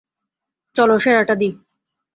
চলো সেরাটা দিই।